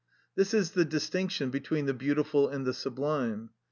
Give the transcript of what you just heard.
This is the distinction between the beautiful and the sublime.